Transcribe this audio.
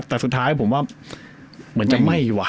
แต่สุดท้ายผมว่าเหมือนจะไหม้อยู่ว่ะ